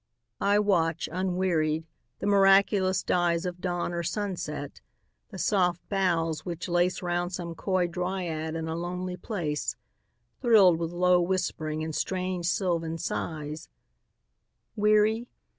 I watch, unwearied, the miraculous dyesOf dawn or sunset; the soft boughs which laceRound some coy dryad in a lonely place, Thrilled with low whispering and strange sylvan sighs:Weary?